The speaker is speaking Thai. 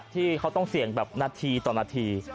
ที่เขาต้องเสี่ยงแบบนาทีต่อนาที